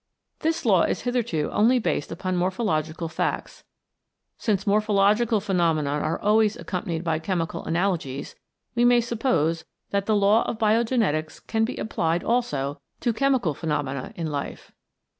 This law is hitherto only based upon morphological facts. Since morphological phenomena are always accom panied by chemical analogies, we may suppose that the law of Biogenetics can be applied also to chemical phenomena in life.